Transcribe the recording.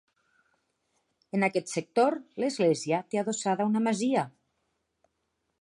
En aquest sector l'església té adossada una masia.